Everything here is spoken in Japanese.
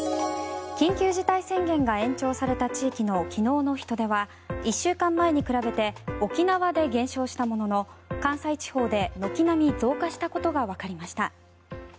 緊急事態宣言が延長された地域の昨日の人出は１週間前に比べて沖縄で減少したものの関西地方で軒並み増加したことがわかりました。